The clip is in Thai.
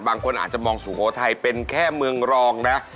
บางคนอาจจะมองสุโขทัยเป็นแค่เมืองรองนะ